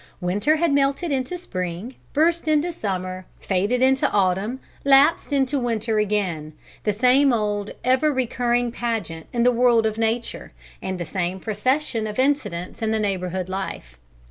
Winter had melted into spring, burst into summer, faded into autumn, lapsed into winter again, the same old, ever recurring pageant in the world of Nature, and the same procession of incidents in the neighborhood life.